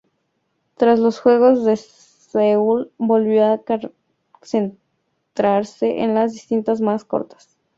Tras los juegos de Seúl volvió a centrarse en las distancias más cortas.